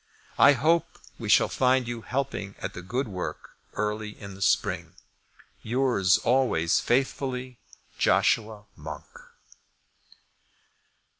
I hope we shall find you helping at the good work early in the spring. Yours, always faithfully, JOSHUA MONK.